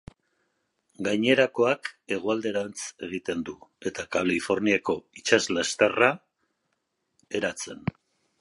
Gainerakoak hegoalderantz egiten du, eta Kaliforniako itsaslasterra eratzen.